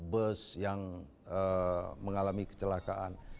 bus yang mengalami kecelakaan